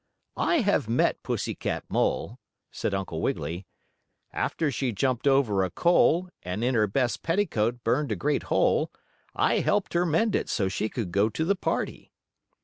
"I have met Pussy Cat Mole," said Uncle Wiggily. "After she jumped over a coal, and in her best petticoat burned a great hole, I helped her mend it so she could go to the party."